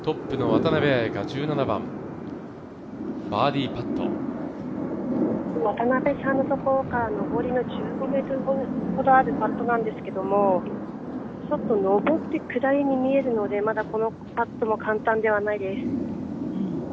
渡邉さんのところのからの上りの１５ｍほどあるパットなんですけど、上って下りに見えるのでまだこのパットも簡単ではないです。